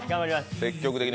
積極的に。